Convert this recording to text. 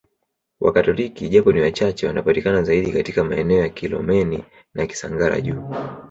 Wakatoliki japo ni wachache wanapatikana zaidi katika maeneo ya Kilomeni na Kisangara Juu